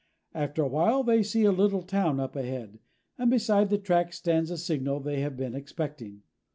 After a while they see a little town up ahead, and beside the track stands a signal they have been expecting.